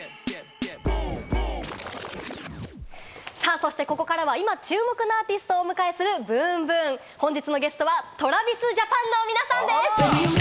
そしてここからは今、注目のアーティストをお迎えするｂｏｏｍｂｏｏｍ、本日のゲストはＴｒａｖｉｓＪａｐａｎの皆さんです。